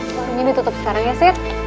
barunya ditutup sekarang ya sir